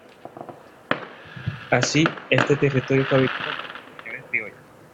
Así este territorio fue habitado por españoles y criollos.